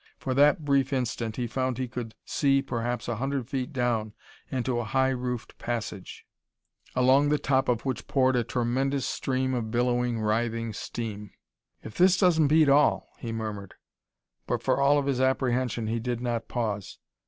For that brief instant he found he could see perhaps a hundred feet down into a high roofed passage, along the top of which poured a tremendous stream of billowing, writhing steam. "If this doesn't beat all," he murmured; but for all of his apprehension he did not pause.